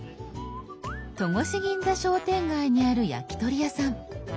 戸越銀座商店街にある焼き鳥屋さん。